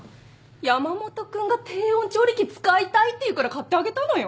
山本君が低温調理器使いたいって言うから買ってあげたのよ。